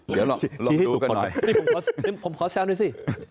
เดี๋ยวลองดูกันหน่อยนี่ผมขอแซวหน่อยสิ